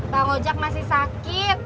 bang ojak masih sakit